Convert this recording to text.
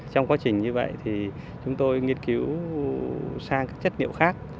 trong quá trình như vậy thì chúng tôi nghiên cứu sang các chất liệu khác